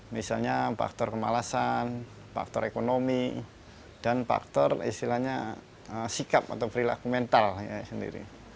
misalnya faktor kemalasan faktor ekonomi dan faktor istilahnya sikap atau perilaku mental sendiri